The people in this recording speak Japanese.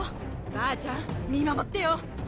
ばあちゃん見守ってよ！